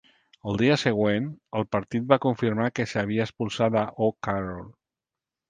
El dia següent, el partit va confirmar que s'havia expulsat a O'Carroll.